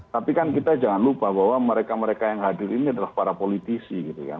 tapi kan kita jangan lupa bahwa mereka mereka yang hadir ini adalah para politisi gitu kan